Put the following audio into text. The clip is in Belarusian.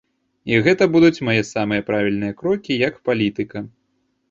І гэта будуць мае самыя правільныя крокі як палітыка.